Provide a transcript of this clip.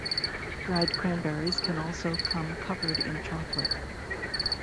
Dried cranberries can also come covered in chocolate.